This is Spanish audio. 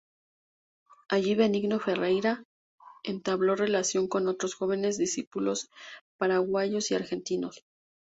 Allí, Benigno Ferreira entabló relación con otros jóvenes condiscípulos paraguayos y argentinos.